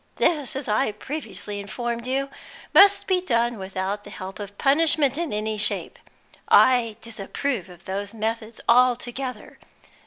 This, as I previously informed you, must be done without the help of punishment in any shape; I disapprove of those methods altogether.